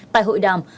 tại hội đàm